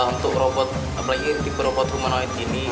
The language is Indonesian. untuk robot apalagi robot humanoid ini